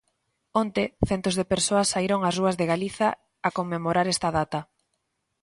Onte, centos de persoas saíron ás rúas de Galiza a conmemorar esta data.